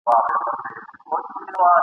که موږ هڅه وکړو، فقر به ورک سي.